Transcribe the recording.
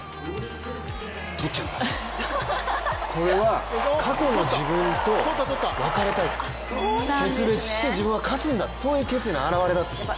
とっちゃった、これは過去の自分と別れたい、決別して自分は勝つんだというそういう決意の表れだったそうです。